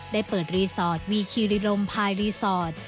ได้เปิดรีสอร์ทมีคีรีรมภายรีสอร์ท